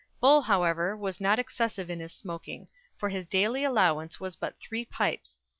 '" Bull, however, was not excessive in his smoking, for his daily allowance was but three pipes.